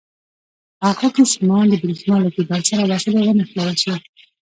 په هغو کې سیمان د برېښنا له کېبل سره وصل یا ونښلول شي.